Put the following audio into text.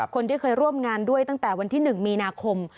คนที่เคยร่วมงานด้วยตั้งแต่วันที่๑มีนาคม